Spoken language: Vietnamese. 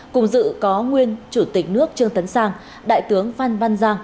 cùng dự có nguyên chủ tịch nước trương tấn sang đại tướng phan văn giang